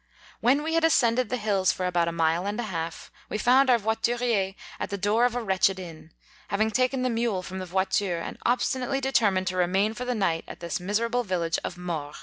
33 When we had ascended the hills for about a mile and a half, we found our voiturier at the door of a wretched inn, having taken the mule from the voitare, and obstinately determined to remain for the night at this miserable village of Mort.